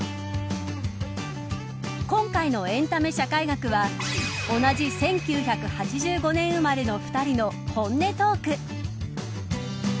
今回のエンタメ社会学は同じ１９８５年生まれの２人の本音トーク。